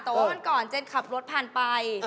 แต่ว่าวันก่อนเจนขับรถผ่านไป